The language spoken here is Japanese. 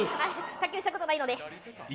卓球したことないので。